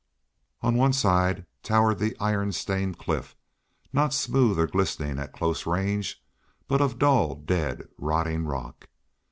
On one side towered the iron stained cliff, not smooth or glistening at close range, but of dull, dead, rotting rock.